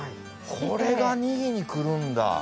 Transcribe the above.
これが２位に来るんだ。